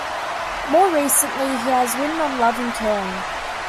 More recently, he has written on love and caring.